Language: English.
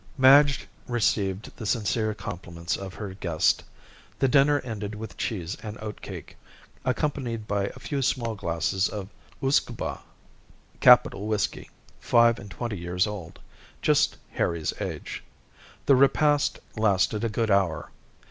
Madge received the sincere compliments of her guest. The dinner ended with cheese and oatcake, accompanied by a few small glasses of "usquebaugh," capital whisky, five and twenty years old—just Harry's age. The repast lasted a good hour.